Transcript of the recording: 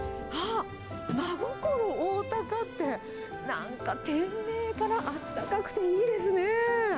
まごころ大高って、なんか店名からあったかくていいですね。